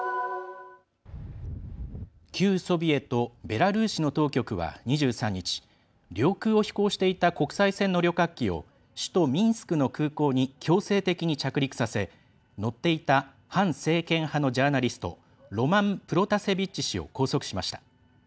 旧ソビエトベラルーシの当局は、２３日領空を飛行していた国際線の旅客機を首都ミンスクの空港に強制的に着陸させ乗っていた反政権派のジャーナリストロマン・プロタセビッチ氏を拘束しました。